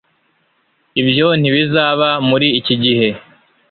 ibyo ntibizaba muri iki gihe